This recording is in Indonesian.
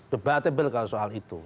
debatable kalau soal itu